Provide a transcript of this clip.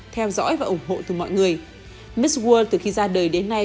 theo dõi và ủng hộ từ mọi người miss world từ khi ra đời đến nay